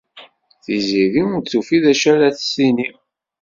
Tiziri ur tufi d acu ara as-tini.